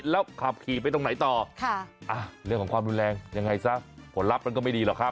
แล้วขับขี่ไปตรงไหนต่อเรื่องของความรุนแรงยังไงซะผลลัพธ์มันก็ไม่ดีหรอกครับ